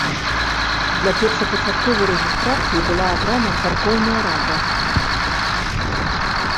Для першапачатковай рэгістрацыі была абрана царкоўная рада.